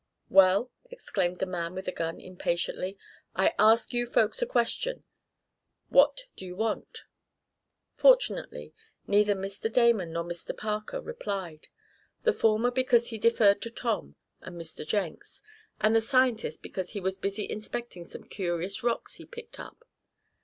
"Well," exclaimed the man with the gun, impatiently, "I ask you folks a question. What do you want?" Fortunately, neither Mr. Damon nor Mr. Parker replied. The former because he deferred to Tom and Mr. Jenks, and the scientist because he was busy inspecting some curious rocks he picked up.